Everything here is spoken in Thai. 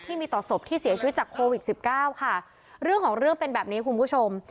ที่มีต่อศพที่เสียชีวิตจากโควิดสิบเก้าค่ะเรื่องของเรื่องเป็นแบบนี้คุณผู้ชม